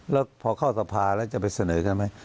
แล้วพอเข้าสภาแล้วจะไปเสนอกันไหม